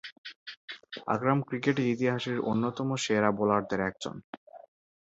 আকরাম cricket ইতিহাসের অন্যতম সেরা বোলারদের একজন।